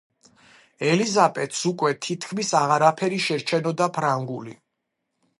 ელიზაბეტს უკვე თითქმის აღარაფერი შერჩენოდა ფრანგული.